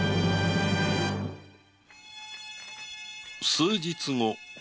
数日後